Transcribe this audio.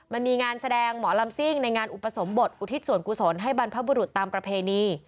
มันมีงานแสดงหมอลำซิ่งในงานอุปสมบทอุทิศส่วนกุศลให้บรรพบุรุษตามประเพณี